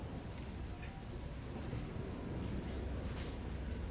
すみません。